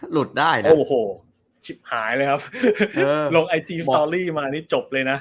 หลุดได้โอ้โหหายเลยครับเออลงไอจีสตอรี่มาอันนี้จบเลยน่ะ